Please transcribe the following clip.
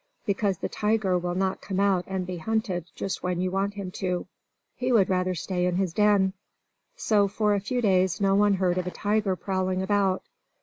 Because the tiger will not come out and be hunted just when you want him to. He would rather stay in his den. So for a few days no one heard of a tiger prowling about.